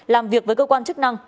làm việc với cơ quan chức năng